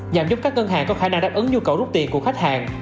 nhằm giúp các ngân hàng có khả năng đáp ứng nhu cầu rút tiền của khách hàng